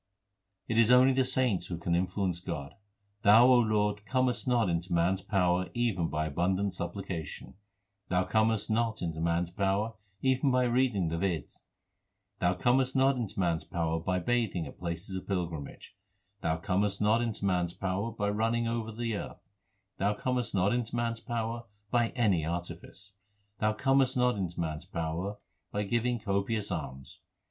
It is only the saints who can influence God : Thou, Lord, comest not into man s power even by abundant supplication ; Thou comest not into man s power even by reading the Veds ; Thou comest not into man s power by bathing at places of pilgrimage ; Thou comest not into man s power by running over the earth : Thou comest not into man s power by any artifice ; Thou comest not into man s power by giving copious alms.